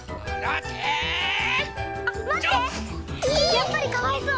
やっぱりかわいそう。